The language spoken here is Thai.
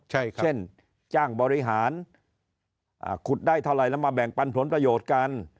เช่นจ้างบริหารขุดได้เท่าไหร่แล้วมาแบ่งปันผลประโยชน์กัน